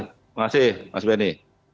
terima kasih mas benny